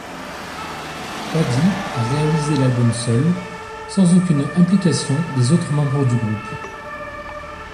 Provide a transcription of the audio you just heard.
Paddy a réalisé l'album seul, sans aucune implication des autres membres du groupe.